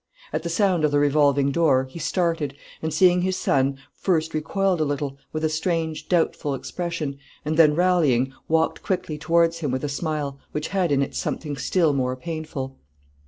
At the sound of the revolving door he started, and seeing his son, first recoiled a little, with a strange, doubtful expression, and then rallying, walked quickly towards him with a smile, which had in it something still more painful.